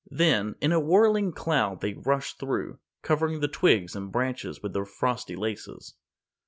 Then, in a whirling cloud they rushed through, covering the twigs and branches with their frosty laces.